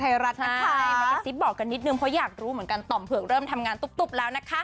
ไทยรัฐนะคะมากระซิบบอกกันนิดนึงเพราะอยากรู้เหมือนกันต่อมเผือกเริ่มทำงานตุ๊บแล้วนะคะ